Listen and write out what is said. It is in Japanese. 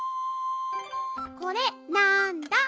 これなんだ？